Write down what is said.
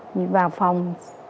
đi vào phòng